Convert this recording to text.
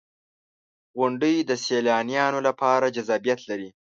• غونډۍ د سیلانیانو لپاره جذابیت لري.